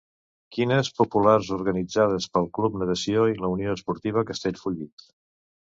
Quines populars organitzades pel Club Natació i la Unió Esportiva Castellfollit.